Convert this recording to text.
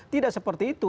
tidak seperti itu